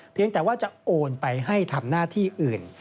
แต่ว่าจะโอนไปให้ทำหน้าที่อื่น